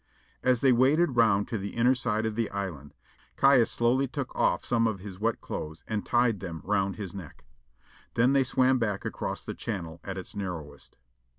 As they waded round to the inner side of the island, Caius slowly took off some of his wet clothes and tied them round his neck. Then they swam back across the channel at its narrowest.